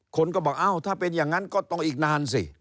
คนก็บอกอ้าวถ้าเป็นอย่างนั้นก็ต้องอีกนานสิ